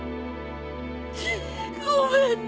ごめんね